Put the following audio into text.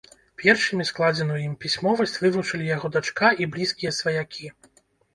Першымі складзеную ім пісьмовасць вывучылі яго дачка і блізкія сваякі.